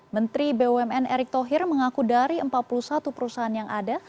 menteri bumn erick thohir mengaku dari empat puluh satu perusahaan yang ada